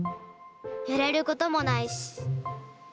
やれることもないし。